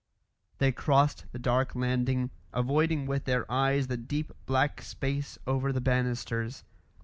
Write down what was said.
They crossed the dark landing, avoiding with their eyes the deep black space over the banisters.